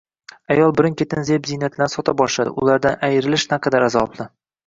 Ayol birin-ketin zeb-ziynatlarini sota boshladi, ulardan ayrilish naqadar azobli